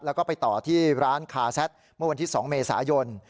แล้วก็ไปต่อที่ร้านคาแซดเมื่อวันที่๒เมษายน